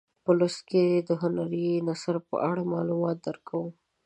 په لوست کې د هنري نثر په اړه معلومات درکوو.